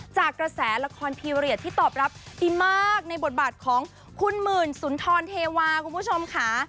จากกระแสละครพีเรียสที่ตอบรับดีมากในบทบาทของคุณหมื่นสุนทรเทวาคุณผู้ชมค่ะ